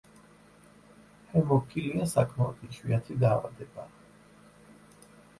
ჰემოფილია საკმაოდ იშვიათი დაავადებაა.